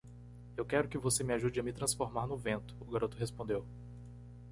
"Eu quero que você me ajude a me transformar no vento?" o garoto respondeu.